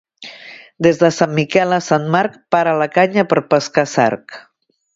Des de Sant Miquel a Sant Marc para la canya per pescar sarg.